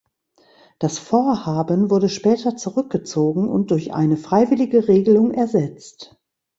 Das Vorhaben wurde später zurückgezogen und durch eine freiwillige Regelung ersetzt.